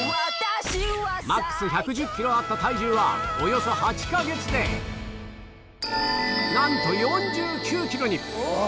ＭＡＸ１１０ｋｇあった体重はおよそ８か月でなんと４９ｋｇに！